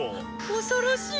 恐ろしい！